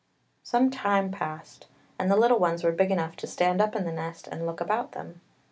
Some time passed and the little ones were big enough to stand up in the nest and look about them.